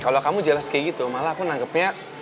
kalau kamu jelas kayak gitu malah aku nangkepnya